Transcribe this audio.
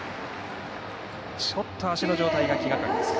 ちょっと足の状態が気がかりです。